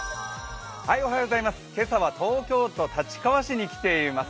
今朝は東京都立川市に来ています。